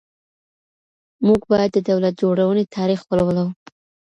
موږ باید د دولت جوړونې تاریخ ولولو.